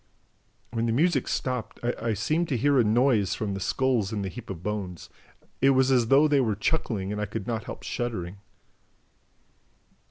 When the music stopped, I seemed to hear a noise from the skulls in the heap of bones; it was as though they were chuckling and I could not help shuddering."